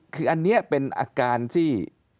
คืออันนี้เป็นอาการที่